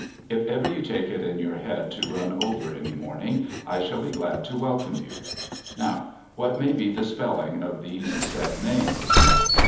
If ever you take it in your head to run over any morning, I shall be glad to welcome you. Now, what may be the spelling of these said names